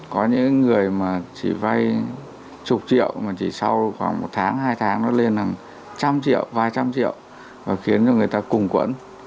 có những người mà chỉ vay chục triệu mà chỉ sau khoảng một tháng hai tháng nó lên hàng trăm triệu vài trăm triệu và khiến cho người ta cùng quẫn